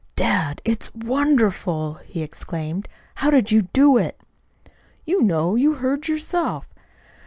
"Dad, it's wonderful!" he exclaimed. "How did you do it?" "You know. You heard yourself."